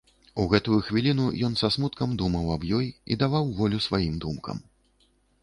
У гэтую хвіліну ён са смуткам думаў аб ёй і даваў волю сваім думкам.